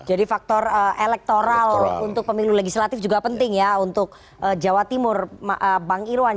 jadi faktor elektoral untuk pemilu legislatif juga penting ya untuk jawa timur bang irwan